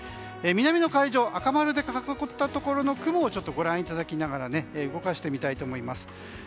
南の海上、赤丸で囲ったところの雲をご覧いただきながら動かしてみたいと思います。